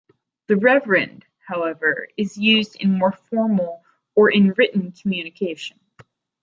"The Reverend", however, is used in more formal or in written communication.